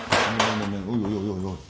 おいおい